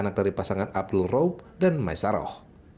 anak dari pasangan abdul raub dan maisaroh